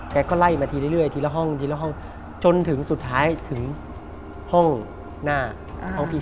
แกก็ไล่มาทีเรื่อยทีละห้องจนถึงสุดท้ายถึงห้องหน้าของพี่